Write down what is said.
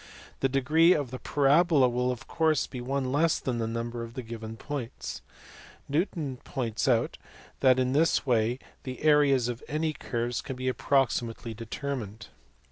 The degree of the parabola will of course be one less than the number of given points. Newton points out that in this way the areas of any curves can be approximately determined.